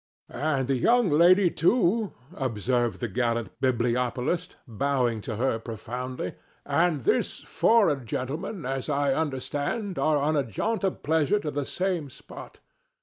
"And the young lady too," observed the gallant bibliopolist, bowing to her profoundly, "and this foreign gentleman, as I understand, are on a jaunt of pleasure to the same spot.